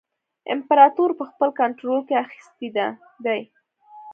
امپراطور په خپل کنټرول کې اخیستی دی.